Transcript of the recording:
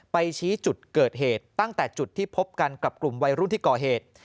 ชี้จุดเกิดเหตุตั้งแต่จุดที่พบกันกับกลุ่มวัยรุ่นที่ก่อเหตุ